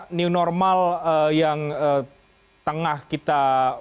new normal yang tengah kita